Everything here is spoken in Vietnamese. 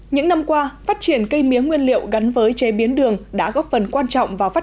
những năm qua phát triển cây mía nguyên liệu gắn với chế biến đường đã góp phần quan trọng vào phát